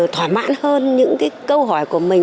thỏa mãn hơn những cái câu hỏi của mình